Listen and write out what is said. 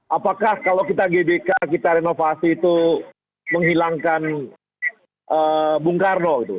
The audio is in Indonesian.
apakah kalau kita gbk kita renovasi itu menghilangkan bung karno gitu